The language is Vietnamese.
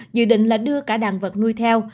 dự định là đưa cả đàn vật nuôi theo